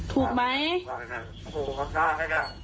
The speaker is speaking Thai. ถูกไหม